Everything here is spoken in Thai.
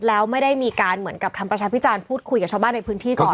แล้วไม่ได้มีการเหมือนกับทำประชาพิจารณ์พูดคุยกับชาวบ้านในพื้นที่ก่อน